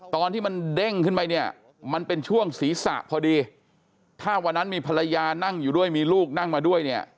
ตอนที่มันเด้งขึ้นไปเนี่ยมันเป็นช่วงศีรษะพอดีถ้าวันนั้นมีภรรยานั่งอยู่ด้วยมีลูกนั่งมาด้วยเนี่ย